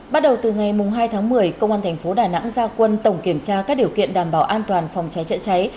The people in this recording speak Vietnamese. bắt đầu từ ngày hai tháng một mươi công an thành phố đà nẵng gia quân tổng kiểm tra các điều kiện đảm bảo an toàn phòng cháy chữa cháy